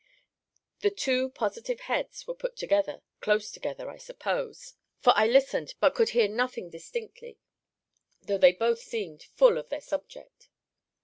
The two positive heads were put together close together I suppose; for I listened, but could hear nothing distinctly, though they both seemed full of their subject.